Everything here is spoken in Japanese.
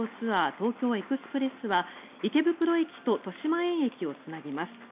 東京エクスプレスは池袋駅と豊島園駅をつなぎます。